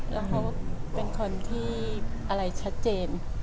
แล้วเขาเป็นคนที่อะไรชัดเจน